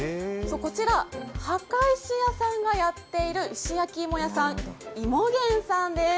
こちら墓石屋さんがやっている石焼き芋屋さん、芋源さんです。